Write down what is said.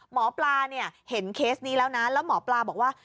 หมอปลาเนี่ยเห็นเคสนี้แล้วนะแล้วหมอปลาบอกว่า